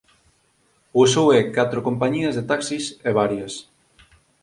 Posúe catro compañías de taxis e varias